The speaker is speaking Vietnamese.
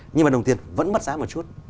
nhưng mà đồng tiền vẫn mất giá một chút